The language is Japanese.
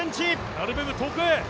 なるべく遠くへ！